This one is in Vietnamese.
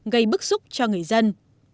gây bức xúc cho người dân